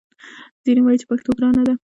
ځینې وايي چې پښتو ګرانه ده